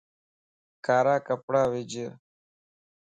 ڪارا ڪپڙا وِج